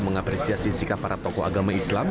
mengapresiasi sikap para tokoh agama islam